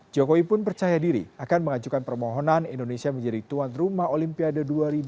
jokowi pun percaya diri akan mengajukan permohonan indonesia menjadi tuan rumah olimpiade dua ribu dua puluh